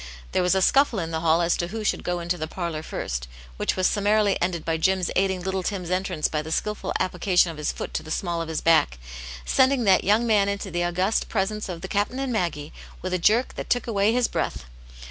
There was a scuffle in the hall as to who should go fnto the parlour first, which was summarily ended by Jim's aiding little Tim's entrance by the skilful application of his foot to the small of his back, sending that young man into the august pre sence of "the Cap'n" and Maggie, with a jerk that took away his breath.